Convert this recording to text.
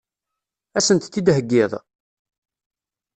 Ad sent-t-id-theggiḍ?